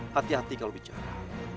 hati hati kalau bicara